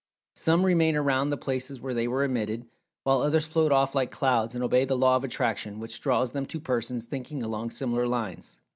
Some remain around the places where they were emitted, while others float off like clouds, and obey the Law of Attraction which draws them to persons thinking along similar lines.